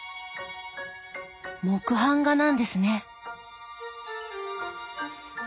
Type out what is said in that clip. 木版画なんですね。